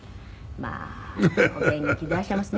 「まあお元気でいらっしゃいますね」